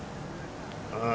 ああ